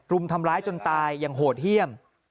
รุมทำร้ายจนตายอย่างโหดเยี่ยม